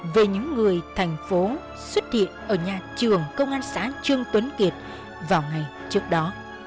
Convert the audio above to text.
về những người thành phố xuất hiện ở nhà trường công an xã trương tuấn kiệt vào ngày trước đó